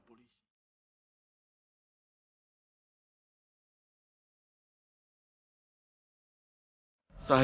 saya ingin mempertanggung jawabkan perbuatan saya